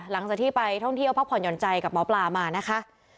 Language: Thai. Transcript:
ทางที่ไปท่องที่เอาพระผ่อนหย่อนใจกับมปลามานะคะ